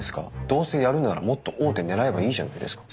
どうせやるんならもっと大手狙えばいいじゃないですか。